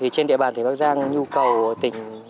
trên địa bàn bắc giang nhu cầu tỉnh